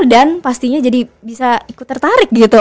dan pastinya jadi bisa ikut tertarik gitu